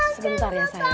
sebentar ya sayang